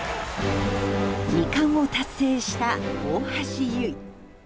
２冠を達成した大橋悠依。